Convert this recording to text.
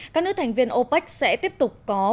các nước thành viên opec sẽ tiếp tục có cuộc hành vi